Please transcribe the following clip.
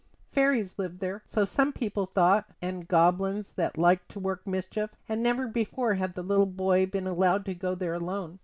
Fairies lived there, so some people thought, and goblins that liked to work mischief; and never before had the little boy been allowed to go there alone.